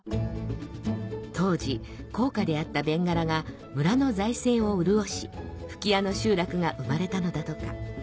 当時高価であったベンガラが村の財政を潤し吹屋の集落が生まれたのだとか